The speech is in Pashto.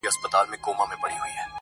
هم زړه سواندی هم د ښه عقل څښتن وو.